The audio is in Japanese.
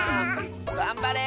がんばれ！